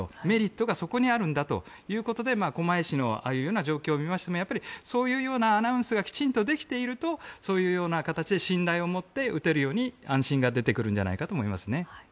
メリットがそこにあるんだということで狛江市のああいう状況を見ましてもやっぱりそういうアナウンスがきちんとできているとそういう形で信頼を持って打てるように安心が出てくるんじゃないかと思いますね。